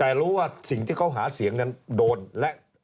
แต่รู้ว่าสิ่งที่เขาหาเสียงนั้นโดนและ